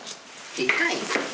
でかいん？